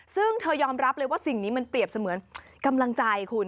ซึ่งเธอยอมรับเลยว่าสิ่งนี้มันเปรียบเสมือนกำลังใจคุณ